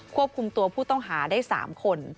ควบคุมตัวผู้ต้องหาได้๓คน